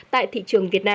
tại thị trường việt nam